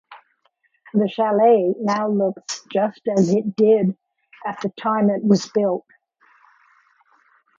The Chalet now looks just as it did at the time it was built.